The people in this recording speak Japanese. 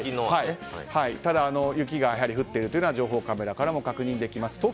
ただ、雪がやはり降っているというのは情報カメラからも確認できます。